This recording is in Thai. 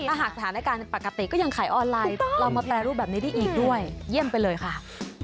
ถ้าหากสถานการณ์ปกติก็ยังขายออนไลน์เรามาแปรรูปแบบนี้ได้อีกด้วยเยี่ยมไปเลยค่ะ